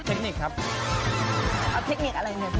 เทคนิคครับอ้าวเทคนิคอะไรนะพี่